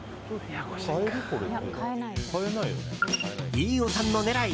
飯尾さんの狙い